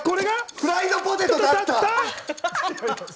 フライドポテトだった？